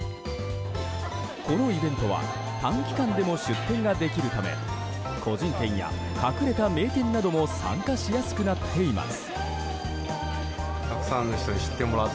このイベントは、短期間でも出店ができるため個人店や隠れた名店なども参加しやすくなっています。